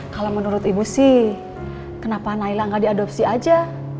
kalau menurut ibu sih kenapa naila gak diadopsi aja